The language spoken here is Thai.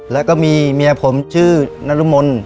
แล้วก็มีเมียผมชื่อนรมน